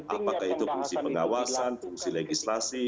apakah itu fungsi pengawasan fungsi legislasi